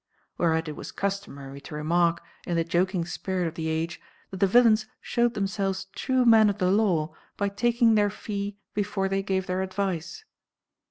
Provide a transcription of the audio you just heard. Whereat it was customary to remark, in the joking spirit of the age, that the villains showed themselves true men of the law by taking their fee before they gave their advice.